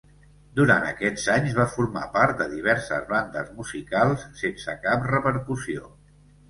Durant aquests anys va formar part de diverses bandes musicals sense cap repercussió.